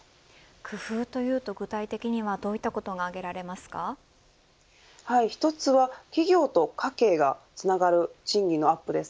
工夫というと具体的にはどういったことが１つは企業と家計がつながる賃金のアップです。